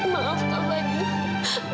maaf kak fadil